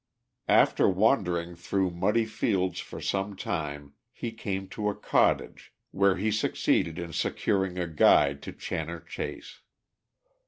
After wandering through muddy fields for some time, he came to a cottage, where he succeeded in securing a guide to Channor Chase.